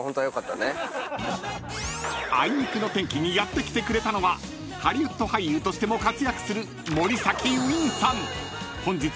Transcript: ［あいにくの天気にやって来てくれたのはハリウッド俳優としても活躍する］